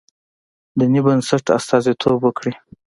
دیني بنسټ استازیتوب وکړي.